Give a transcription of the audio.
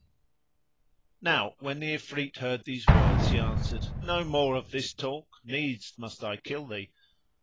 [FN#73]" Now when the Ifrit heard these words he answered, "No more of this talk, needs must I kill thee."